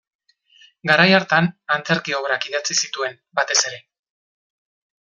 Garai hartan antzerki obrak idatzi zituen, batez ere.